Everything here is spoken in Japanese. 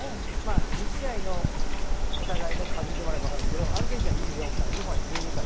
２試合のお互いの数を見てもらえば分かるんですけれども、アルゼンチン２４、日本１２。